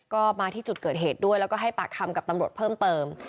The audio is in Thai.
ก็มาที่จุดเกิดเหตุด้วยแล้วก็ให้ปากคำกับตำรวจเพิ่มเติม